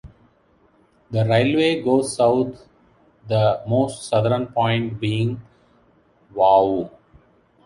The railway goes south, the most southern point being Wau.